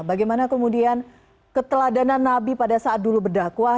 bagaimana kemudian keteladanan nabi pada saat dulu berdakwah